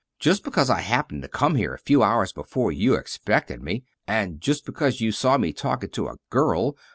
"Just because I happened to come here a few hours before you expected me, and just because you saw me talking to a girl!